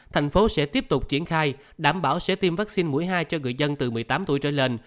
thành phố sẽ tiếp tục triển khai đảm bảo sẽ tiêm vaccine mũi hai cho người dân từ một mươi tám tuổi trở lên